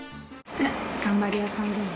頑張り屋さんだよね。